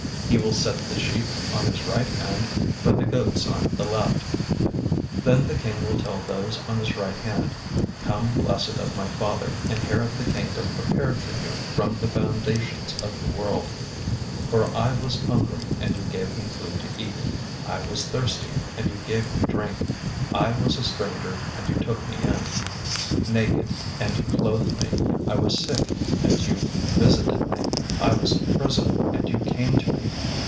025:033 He will set the sheep on his right hand, but the goats on the left. 025:034 Then the King will tell those on his right hand, 'Come, blessed of my Father, inherit the Kingdom prepared for you from the foundation of the world; 025:035 for I was hungry, and you gave me food to eat; I was thirsty, and you gave me drink; I was a stranger, and you took me in; 025:036 naked, and you clothed me; I was sick, and you visited me; I was in prison, and you came to me.'